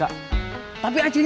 tapi akhirnya senyum yan